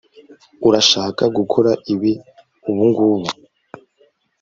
Urashaka gukora ibi ubungubu